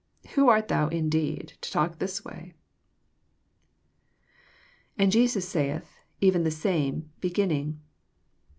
^" Who art thou, indeed, to talk in this way ?" [^And Jesus 8aith...€ven the same... beginning.'